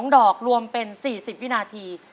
๒ดอกรวมเป็น๔๐วินาที